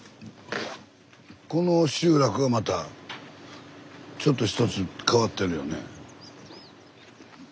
この集落がまたちょっとひとつ変わってるよね。